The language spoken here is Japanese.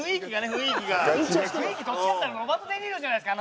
雰囲気どっちかっていったらロバート・デ・ニーロじゃないですか。